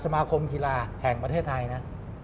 สมาคมกีฬาแห่งประเทศไทยนะ